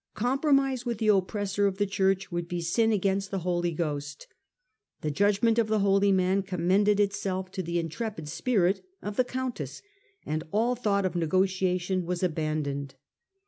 Compromise with the oppressor of the Church would be sin against the Holy Ghost. The judgment of the holy man commended itself to the intrepid spirit of the countess, and all thought of negotiation was abandoned.